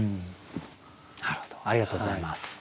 なるほどありがとうございます。